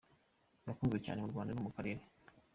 yakunzwe cyane mu Rwanda no mu karere.